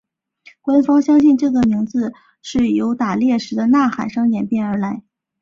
官方相信这个名字是由打猎时的呐喊声演变而来。